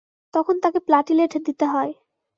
তখন তাকে প্লাটিলেট দিতে হয়।